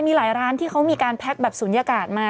มีหลายร้านที่เขามีการแพ็คแบบศูนยากาศมา